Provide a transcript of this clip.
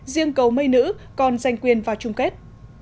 riêng cầu mây nữ còn giành quyền vào chung kết